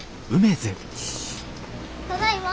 ただいま。